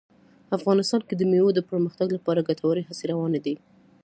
افغانستان کې د مېوو د پرمختګ لپاره ګټورې هڅې روانې دي.